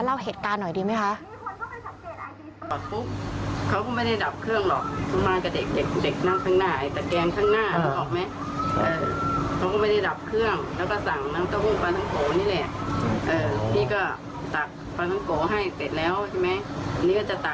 เล่าเหตุการณ์หน่อยดีไหมคะ